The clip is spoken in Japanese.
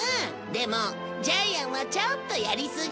でもジャイアンはちょっとやりすぎ。